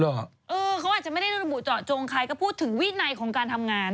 เขาอาจจะไม่ได้ระบุเจาะจงใครก็พูดถึงวินัยของการทำงาน